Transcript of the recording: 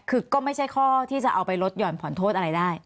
คือก็ไม่ใช่ข้อที่จะเอาไปลดหย่อนผ่อนโทษอะไรได้